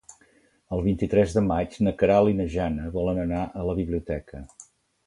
El vint-i-tres de maig na Queralt i na Jana volen anar a la biblioteca.